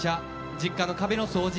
実家の壁の掃除